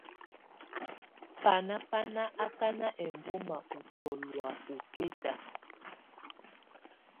Banà bà ná akana ɛmbɔma ú ndɔlɔ̀́á ɔkɛta.